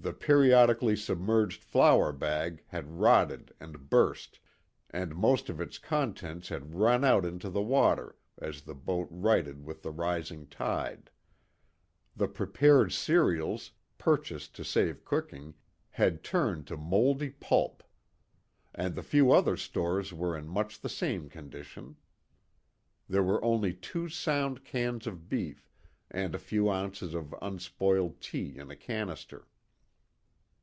The periodically submerged flour bag had rotted and burst, and most of its contents had run out into the water as the boat righted with the rising tide; the prepared cereals, purchased to save cooking, had turned to mouldy pulp; and the few other stores were in much the same condition. There were only two sound cans of beef, and a few ounces of unspoiled tea in a canister.